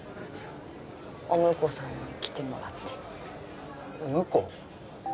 お婿さんに来てもらって婿？